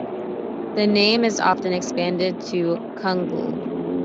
The name is often expanded to Kungl.